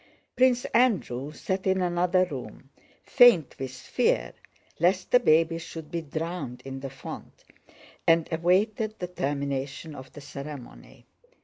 Prince Andrew sat in another room, faint with fear lest the baby should be drowned in the font, and awaited the termination of the ceremony.